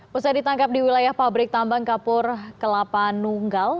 pusat ditangkap di wilayah pabrik tambang kapur kelapa nunggal